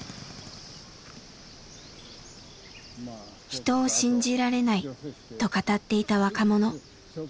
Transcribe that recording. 「人を信じられない」と語っていた若者。